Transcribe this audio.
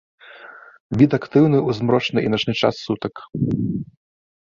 Від актыўны ў змрочны і начны час сутак.